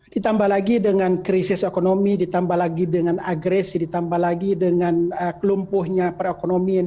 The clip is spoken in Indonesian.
ditambah lagi dengan krisis ekonomi ditambah lagi dengan agresi ditambah lagi dengan kelumpuhnya perekonomian